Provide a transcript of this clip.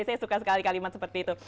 saya suka sekali kalimat seperti itu